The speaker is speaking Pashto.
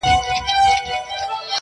نوري یې مه پریږدی د چا لښکري!